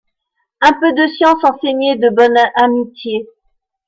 Un peu de science, enseignée de bonne amitié.